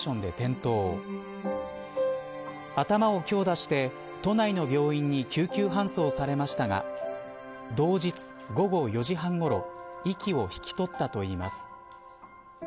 頭を強打して都内の病院に救急搬送されましたが同日、午後４時半ごろ息を引き取ったといいます。